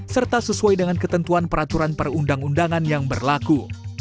serta sesuai dengan ketentuan peraturan perundang undangan yang berlaku